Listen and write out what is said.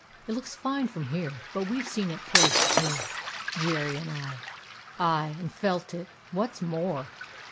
It looks fine from here,, but we Ve seen it close to, Jerry and I ; aye, and felt it, what 's more